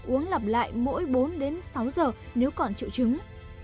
uống lặp lại mỗi bốn đến sáu giờ nếu còn triệu chứng